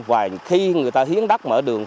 và khi người ta hiến đất mở đường